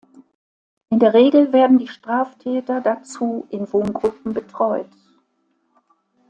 In der Regel werden die Straftäter dazu in Wohngruppen betreut.